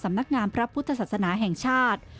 นักงามพระพุทธศาสนาแห่งชาติ